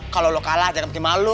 kalau lo kalah jangan pergi malu